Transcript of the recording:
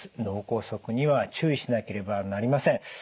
脳梗塞には注意しなければなりません。